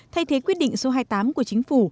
thay thế quyết định số hai mươi tám của chính phủ